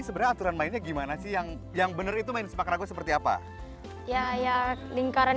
sebenarnya aturan mainnya gimana sih yang yang bener itu main sepak ragu seperti apa ya ya lingkaran